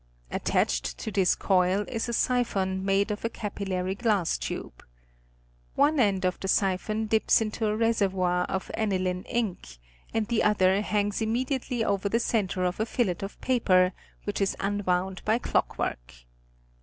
Attached to this coil is a siphon made of a capillary glass tube. One end of the siphon dips into a reservoir of aniline ink, and the other hangs immedi 20 National Geographic Magazme. ately over the centre of a fillet of paper, which is unwound by. clock work.